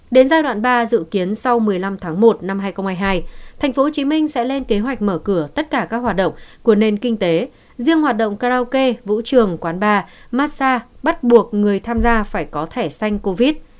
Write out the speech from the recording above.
đến giai đoạn ba dự kiến sau một mươi năm tháng một năm hai nghìn hai mươi hai tp hcm sẽ lên kế hoạch mở cửa tất cả các hoạt động của nền kinh tế riêng hoạt động karaoke vũ trường quán bar massage bắt buộc người tham gia phải có thẻ xanh covid